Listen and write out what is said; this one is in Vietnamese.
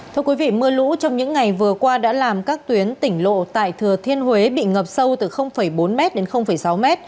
thưa quý vị mưa lũ trong những ngày vừa qua đã làm các tuyến tỉnh lộ tại thừa thiên huế bị ngập sâu từ bốn m đến sáu m